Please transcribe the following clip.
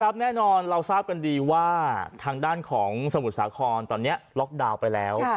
แน่นอนเราทราบกันดีว่าทางด้านของสมุทรสาครตอนนี้ล็อกดาวน์ไปแล้ว